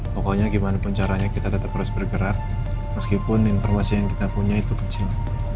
pokoknya gimana pun caranya kita tetap terus bergerak meskipun informasi yang kita punya itu kecil